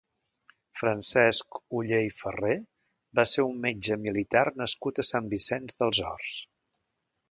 Francesc Oller i Ferrer va ser un metge militar nascut a Sant Vicenç dels Horts.